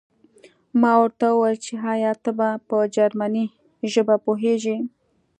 ما ورته وویل چې ایا ته په جرمني ژبه پوهېږې